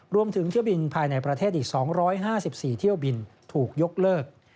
รวมถึงเที่ยวบินภายในประเทศอีก๒๕๔เที่ยวบินถูกยกเลิก